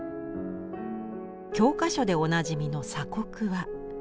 教科書でおなじみの「鎖国」は。